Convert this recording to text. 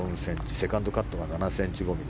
セカンドカットが７ｃｍ５ｍｍ